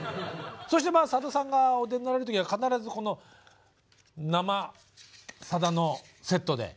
そしてさださんがお出になられる時は必ずこの「生さだ」のセットで。